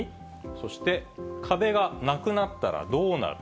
そして、壁がなくなったらどうなる？